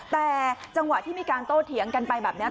แต่จังหวะที่มีการโต้เถียงกันไปแบบนี้